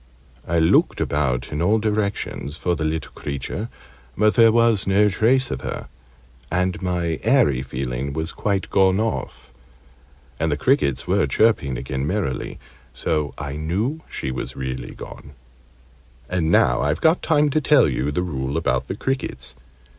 I looked about in all directions for the little creature, but there was no trace of her and my 'eerie' feeling was quite gone off, and the crickets were chirping again merrily so I knew she was really gone. And now I've got time to tell you the rule about the crickets.